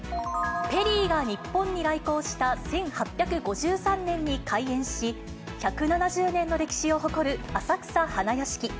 ペリーが日本に来航した１８５３年に開園し、１７０年の歴史を誇る浅草花やしき。